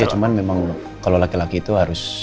ya cuman memang kalau laki laki itu harus